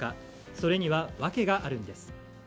それには訳があるんです。